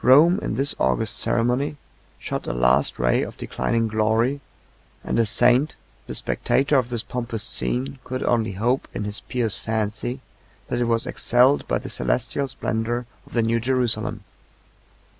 Rome, in this august ceremony, shot a last ray of declining glory; and a saint, the spectator of this pompous scene, could only hope, in his pious fancy, that it was excelled by the celestial splendor of the new Jerusalem.